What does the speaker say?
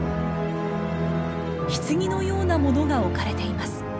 棺のようなものが置かれています。